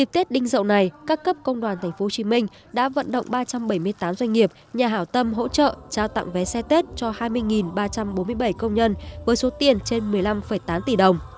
tết đinh dậu này các cấp công đoàn tp hcm đã vận động ba trăm bảy mươi tám doanh nghiệp nhà hảo tâm hỗ trợ trao tặng vé xe tết cho hai mươi ba trăm bốn mươi bảy công nhân với số tiền trên một mươi năm tám tỷ đồng